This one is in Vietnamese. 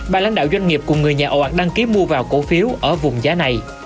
bà lãnh đạo doanh nghiệp cùng người nhà ồ ạt đăng ký mua vào cổ phiếu ở vùng giá này